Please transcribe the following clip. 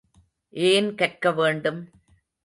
ஏன் கற்க வேண்டும்?